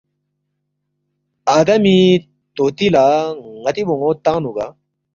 آدمی طوطی لہ ن٘تی بون٘و تنگنُوگا